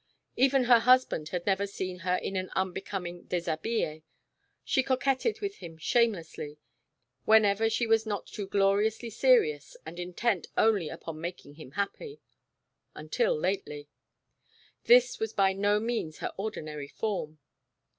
Even her husband had never seen her in an unbecoming déshabillé; she coquetted with him shamelessly, whenever she was not too gloriously serious and intent only upon making him happy. Until lately This was by no means her ordinary form.